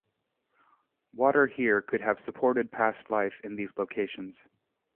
Water here could have supported past life in these locations.